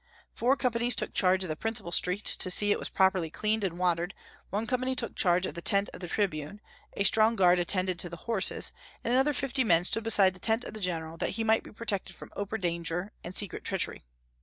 Four companies took charge of the principal street, to see that it was properly cleaned and watered; one company took charge of the tent of the tribune; a strong guard attended to the horses, and another of fifty men stood beside the tent of the general, that he might be protected from open danger and secret treachery.